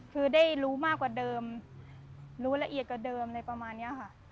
คือได้รู้มากกว่าเดิมรู้ละเอียดกว่าเดิมอะไรประมาณนี้ค่ะ